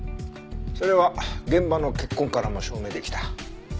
それは現場の血痕からも証明出来た。